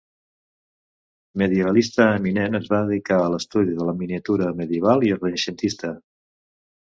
Medievalista eminent, es va dedicar a l'estudi de la miniatura medieval i renaixentista.